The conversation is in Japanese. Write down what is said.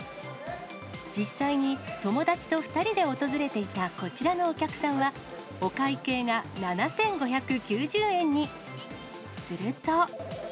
実際に、友達と２人で訪れていたこちらのお客さんは、お会計が７５９０円に。